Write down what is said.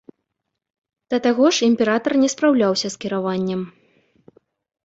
Да таго ж, імператар не спраўляўся з кіраваннем.